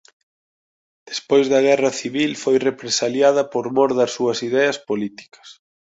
Despois da Guerra Civil foi represaliada por mor das súas ideas políticas.